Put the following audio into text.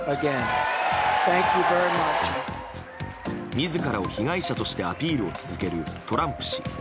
自らを被害者としてアピールを続けるトランプ氏。